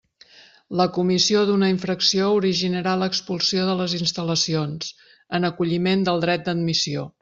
La comissió d'una infracció originarà l'expulsió de les instal·lacions, en acolliment del dret d'admissió.